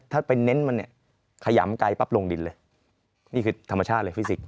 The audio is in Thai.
ถ้าเป็นเน้นมันเนี่ยขยำไกลปั๊บลงดินเลยนี่คือธรรมชาติเลยฟิสิกส